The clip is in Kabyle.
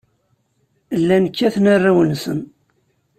Llan kkaten arraw-nsen.